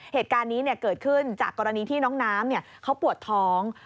เหตุการณ์นี้เกิดขึ้นจากกรณีที่น้องน้ำเขาปวดท้อง